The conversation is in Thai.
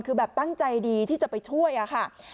คือแบบตั้งใจดีที่จะไปช่วยอะค่ะ